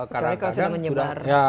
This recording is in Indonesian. kecuali kalau sudah menyebar kemana mana